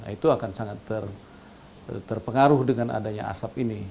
itu akan sangat terpengaruh dengan adanya asap ini